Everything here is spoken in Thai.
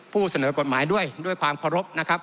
ผู้เสนอกฎหมายด้วยด้วยความเคารพนะครับ